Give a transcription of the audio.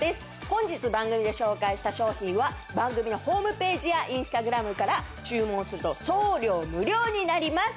本日番組で紹介した商品は番組のホームページやインスタグラムから注文すると送料無料になります。